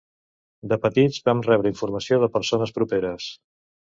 De petits vam rebre informació de persones properes